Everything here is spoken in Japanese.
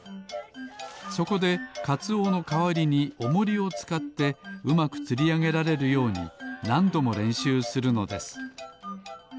そこでかつおのかわりにおもりをつかってうまくつりあげられるようになんどもれんしゅうするのです